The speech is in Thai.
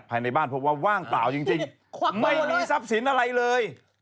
ภายในบ้านพบว่าว่างเปล่าจริงไม่มีทรัพย์สินอะไรเลย